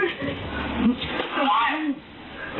มึงเคยไงอย่างเงี้ย